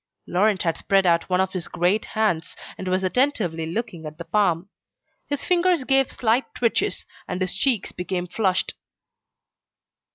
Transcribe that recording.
Laurent had spread out one of his great hands and was attentively looking at the palm. His fingers gave slight twitches, and his cheeks became flushed.